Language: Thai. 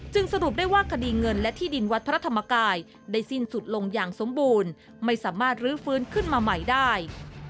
สรุปได้ว่าคดีเงินและที่ดินวัดพระธรรมกายได้สิ้นสุดลงอย่างสมบูรณ์ไม่สามารถรื้อฟื้นขึ้นมาใหม่ได้